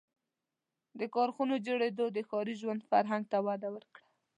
• د کارخانو جوړېدو د ښاري ژوند فرهنګ ته وده ورکړه.